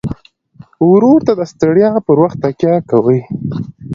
ورور ته د ستړیا پر وخت تکیه کوي.